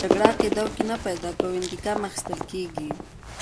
جګړه عقده او کینه پیدا کوي او انتقام اخیستل کیږي